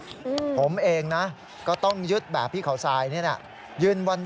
เขามีความสุขผมเองนะก็ต้องยึดแบบพี่ข่าวทรายนี่น่ะ